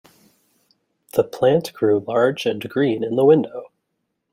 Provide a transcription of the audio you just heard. The plant grew large and green in the window.